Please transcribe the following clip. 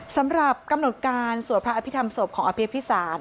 สำหรับกำหนดการสวดพระอภิษฐรรมศพของอภิพิสาร